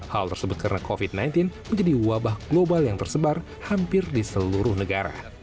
hal tersebut karena covid sembilan belas menjadi wabah global yang tersebar hampir di seluruh negara